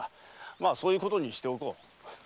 まあそういうことにしておこう。